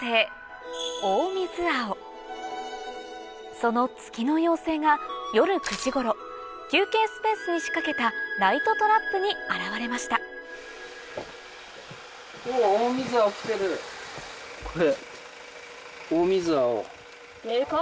その月の妖精が夜９時頃休憩スペースに仕掛けたライトトラップに現れましたこれ。